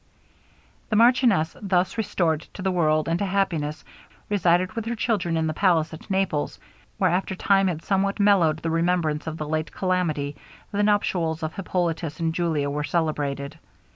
The marchioness, thus restored to the world, and to happiness, resided with her children in the palace at Naples, where, after time had somewhat mellowed the remembrance of the late calamity, the nuptials of Hippolitus and Julia were celebrated.